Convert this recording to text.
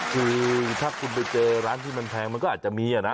คือถ้าคุณไปเจอร้านที่มันแพงมันก็อาจจะมีนะ